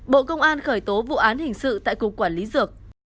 bộ công an khởi tố vụ án hình sự tại cục quản lý dược